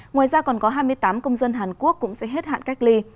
ngoài ra còn có hai mươi tám công dân hàn quốc cũng sẽ hết hạn cách ly